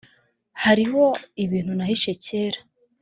Hariho ibintu nahishe kera